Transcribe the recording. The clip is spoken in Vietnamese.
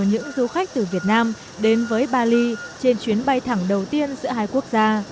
những du khách từ việt nam đến với bali trên chuyến bay thẳng đầu tiên giữa hai quốc gia